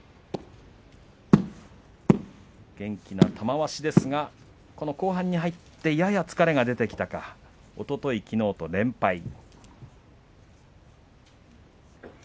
元気な玉鷲ですが後半に入ってやや疲れが出てきたかおととい、きのうと連敗。